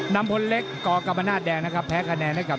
นำพลเล็กกกรรมนาศแดงนะครับแพ้คะแนนให้กับ